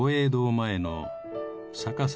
前の。